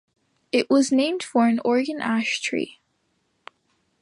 It was named for an Oregon ash tree.